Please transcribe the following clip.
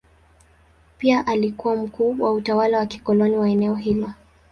Pia alikuwa mkuu wa utawala wa kikoloni wa eneo hilo.